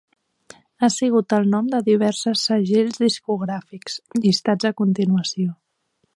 Ha sigut el nom de diverses segells discogràfics, llistats a continuació.